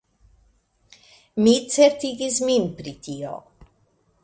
Mi certigis min pri tio.